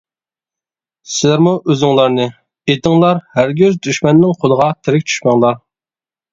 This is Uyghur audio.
سىلەرمۇ ئۆزۈڭلارنى ئېتىڭلار ھەرگىز دۈشمەننىڭ قولىغا تېرىك چۈشمەڭلار.